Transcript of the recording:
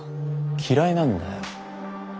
嫌いなんだよ